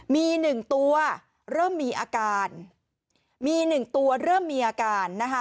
มี๑ตัวเริ่มมีอาการ